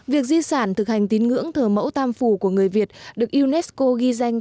việc di sản thực hành tín ngưỡng thờ mẫu tam phủ của người việt được unesco ghi danh